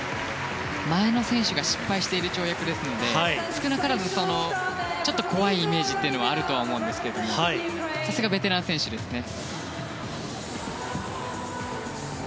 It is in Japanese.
前の選手が失敗している跳躍ですので少なからず、ちょっと怖いイメージがあると思いますがさすがベテラン選手ですね。